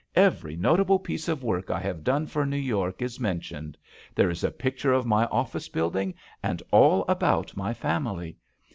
Every notable piece of work I have done for New York is mentioned; there is a picture of my office building, and all about my family.